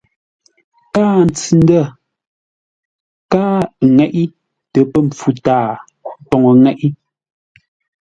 Kâa ntsʉ-ndə̂ kâa ŋeʼé tə pə̂ mpfu tâa poŋə́ ŋeʼé.